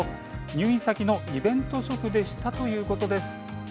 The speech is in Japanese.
入院先のイベント食でしたということです。